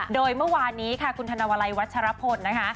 โดยเมื่อวานนี้ค่ะคุณธนวลัยวัชรพลนะคะ